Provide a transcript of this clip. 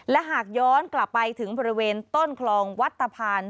และหากย้อนกลับไปถึงบริเวณต้นคลองวัดตะพาน